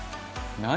「何？」